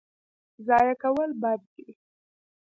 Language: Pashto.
ضایع کول بد دی.